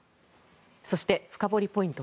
そして深掘りポイント